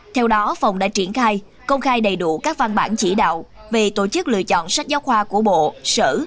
theo đó phòng đã triển khai công khai đầy đủ các văn bản chỉ đạo về tổ chức lựa chọn sách giáo khoa của bộ sở